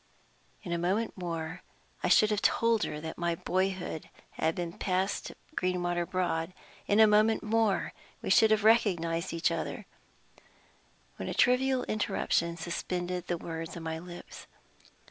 In a moment more I should have told her that my boyhood had been passed at Greenwater Broad in a moment more, we should have recognized each other when a trivial interruption suspended the words on my lips.